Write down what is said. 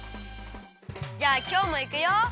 じゃあきょうもいくよ！